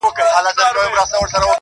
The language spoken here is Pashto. • چي په منځ کي د همزولو وه ولاړه -